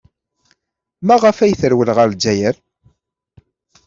Maɣef ay terwel ɣer Lezzayer?